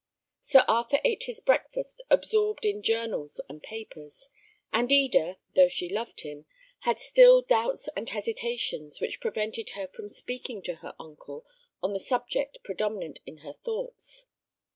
Sir Arthur ate his breakfast absorbed in journals and papers; and Eda, though she loved him, had still doubts and hesitations, which prevented her from speaking to her uncle on the subject predominant in her thoughts.